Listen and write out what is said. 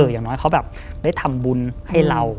อย่างน้อยเขาแบบได้ทำบุญให้เรา